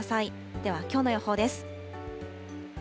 ではきょうの予報です。